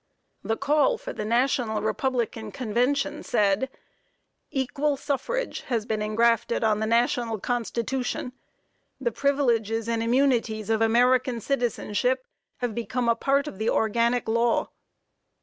The Call for the national Republican convention said: "Equal suffrage has been engrafted on the national Constitution; the privileges and immunities of American citizenship have become a part of the organic law."